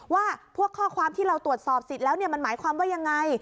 ว่าพวกข้อความที่เราตรวจสอบสิทธิ์แล้วมันหมายความว่ายังไง